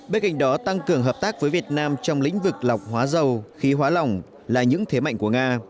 bên cạnh đó tăng cường hợp tác với việt nam trong lĩnh vực lọc hóa dầu khí hóa lỏng là những thế mạnh của nga